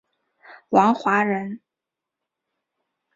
王华人。